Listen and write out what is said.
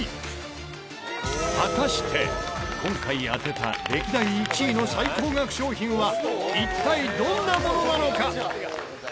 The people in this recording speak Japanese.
果たして今回当てた歴代１位の最高額商品は一体どんなものなのか？